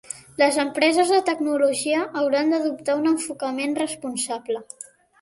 Les empreses de tecnologia hauran d'adoptar un enfocament responsable.